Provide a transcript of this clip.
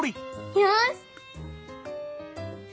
よし！